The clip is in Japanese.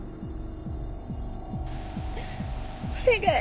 お願い。